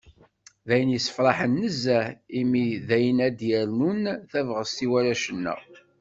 D ayen yessefraḥen nezzeh, imi d ayen ara d-yernun tabɣest i warrac-nneɣ.